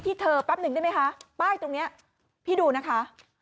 เธอแป๊บหนึ่งได้ไหมคะป้ายตรงนี้พี่ดูนะคะ